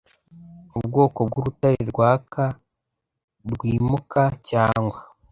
Ubwoko bw'urutare rwaka rwimukacyangwa